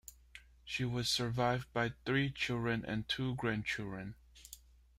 She was survived by three children and two grandchildren.